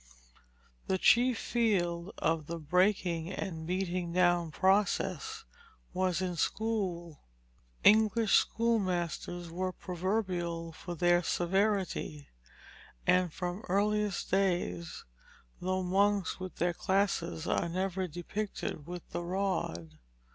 The chief field of the "breaking and beating down" process was in school. English schoolmasters were proverbial for their severity, and from earliest days; though monks with their classes are never depicted with the rod.